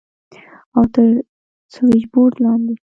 او تر سوېچبورډ لاندې.